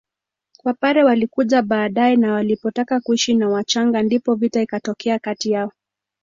Wapare walikuja baade na walipotaka kuishi na wachaga ndipo vita ikatokea kati yao